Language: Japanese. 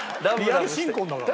リアル新婚だからな。